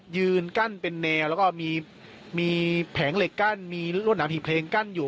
ยืนกั้นเป็นแนวแล้วก็มีแผงเหล็กกั้นมีรวดหนามหีบเพลงกั้นอยู่